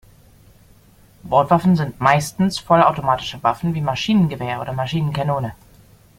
Bordwaffen sind meistens vollautomatische Waffen wie Maschinengewehr oder Maschinenkanone.